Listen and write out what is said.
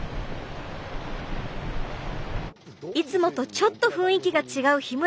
いつもとちょっと雰囲気が違う日村さん。